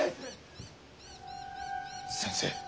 先生！